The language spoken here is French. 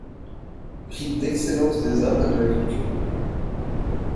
Prix d'Excellence des Arts et de la Culture.